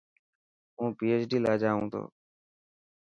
هون PHD لاءِ جائون تو.